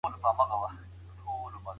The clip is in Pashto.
ښه دوست خزانه ده